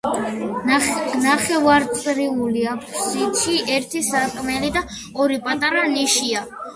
ნახევარწრიულ აფსიდში ერთი სარკმელი და ორი პატარა ნიშია.